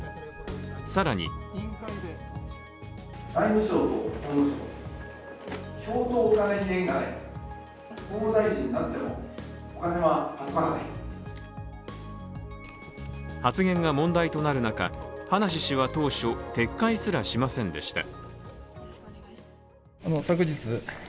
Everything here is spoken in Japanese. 更に発言が問題となる中葉梨氏は当初、撤回すらしませんでした。